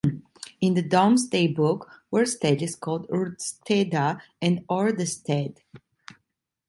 In the Domesday Book, Worstead is called "Wrdesteda" and "Ordested".